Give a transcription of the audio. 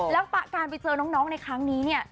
แล้วการไปเจอน้องในครั้งนี้เนี่ย